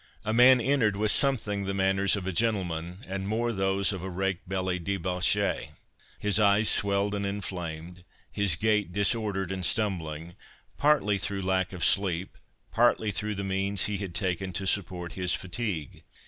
A man entered, with something the manners of a gentleman, and more those of a rakebelly debauchee—his eyes swelled and inflamed—his gait disordered and stumbling, partly through lack of sleep, partly through the means he had taken to support his fatigue.